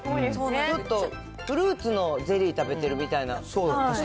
ちょっと、フルーツのゼリー食べてるみたいな。